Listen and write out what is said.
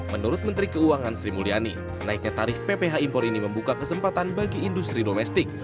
menurut menteri keuangan sri mulyani naiknya tarif pph impor ini membuka kesempatan bagi industri domestik